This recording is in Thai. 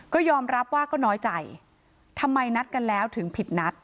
ก็ยอมรับว่าก็น้อยใจทำไมนัดกันแล้วถึงผิดนัด